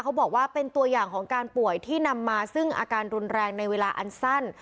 เขาบอกว่าเป็นตัวอย่างของการป่วยที่นำมาซึ่งอาการรุนแรงในเวลาอันสั้น